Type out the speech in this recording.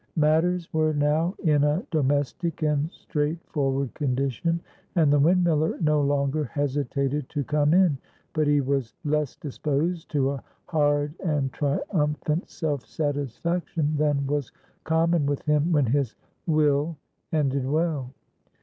Matters were now in a domestic and straightforward condition, and the windmiller no longer hesitated to come in. But he was less disposed to a hard and triumphant self satisfaction than was common with him when his will ended well.